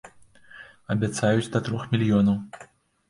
Абяцаюць да трох мільёнаў.